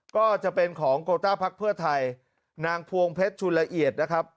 ก็จะเป็นของโกต้าพักเพื่อไทยนางพวงเพชรชุนละเอียดนะครับ